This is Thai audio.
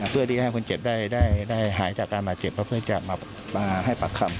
เพื่อที่ให้คนเจ็บได้หายจากการบาดเจ็บแล้วเพื่อจะมาให้ปากคำ